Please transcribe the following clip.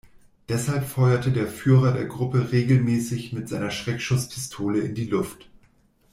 Deshalb feuerte der Führer der Gruppe regelmäßig mit seiner Schreckschusspistole in die Luft.